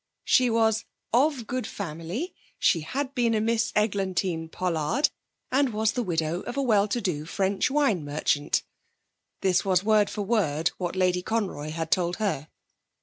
She was 'of good family; she had been a Miss Eglantine Pollard, and was the widow of a well to do French wine merchant.' (This was word for word what Lady Conroy had told her.)